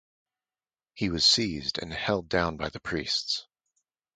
He was seized and held down by the priests.